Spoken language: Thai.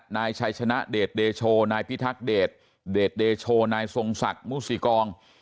นายชัยชนะเดชเดโชนายพิทักษ์เดชเดชเดโชนายทรงศักดิ์มุสิกอง